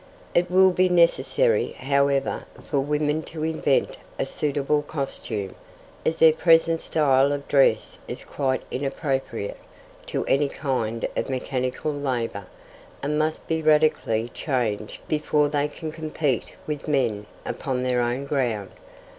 It will be necessary, however, for women to invent a suitable costume, as their present style of dress is quite inappropriate to any kind of mechanical labour, and must be radically changed before they can compete with men upon their own ground.